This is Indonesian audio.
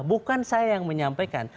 bukan saya yang menyampaikan